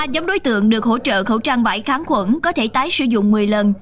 ba giống đối tượng được hỗ trợ khẩu trang vải kháng khuẩn có thể tái sử dụng một mươi lần